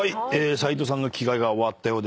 斎藤さんの着替えが終わったようですね。